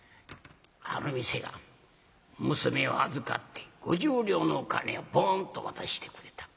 ある店が娘を預かって５０両のお金をポンと渡してくれた。